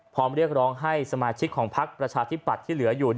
พร้อมเรียกร้องให้สมาชิกของพักประชาธิปัตย์ที่เหลืออยู่